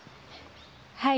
はい。